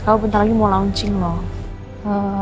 aku bentar lagi mau launching loh